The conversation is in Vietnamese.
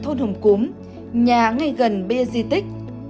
hồng cúm nhà ngay gần bia di tích